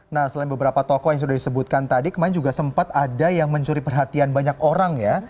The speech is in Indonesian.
nah selain beberapa tokoh yang sudah disebutkan tadi kemarin juga sempat ada yang mencuri perhatian banyak orang ya